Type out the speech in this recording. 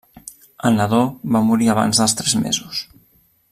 El nadó va morir abans dels tres mesos.